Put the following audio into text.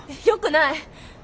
よくない！